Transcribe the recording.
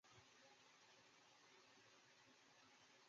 该物种的模式产地在印度尼西亚帝汶。